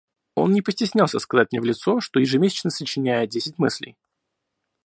Он не постеснялся сказать мне в лицо, что ежемесячно сочиняет десять мыслей.